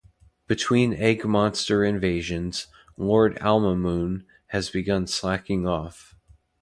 Between Egg Monster invasions, Lord Almamoon has begun slacking off.